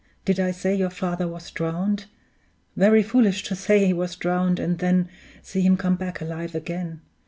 Did I say your father was drowned? Very foolish to say he was drowned, and then see him come back alive again!